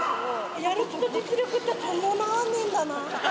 やる気と実力って伴わねぇんだな。